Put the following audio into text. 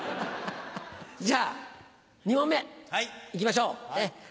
じゃあ２問目いきましょう。